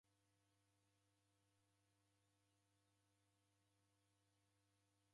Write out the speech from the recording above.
W'ikaw'uka w'adakua magome mkonunyi.